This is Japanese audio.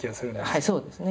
はいそうですね。